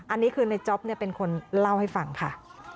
อันนี้คือในจ๊อปเป็นคนเล่าให้ฟังค่ะ